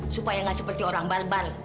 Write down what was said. supaya nggak seperti orang barbar